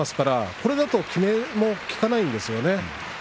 これだと効かないんですよね。